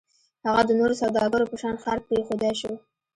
هغه د نورو سوداګرو په شان ښار پرېښودای شو.